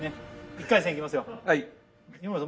１回戦いきますよ